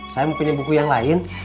saya mau punya buku yang lain